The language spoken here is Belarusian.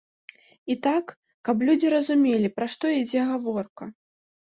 І так, каб людзі разумелі, пра што ідзе гаворка.